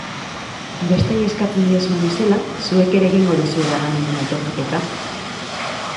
Besteei eskatzen diezuen bezala, zuek ere egingo duzue iraganaren autokritika?